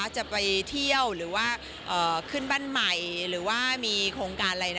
จะไปเที่ยวหรือว่าขึ้นบ้านใหม่หรือว่ามีโครงการอะไร